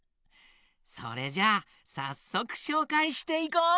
それじゃあさっそくしょうかいしていこう！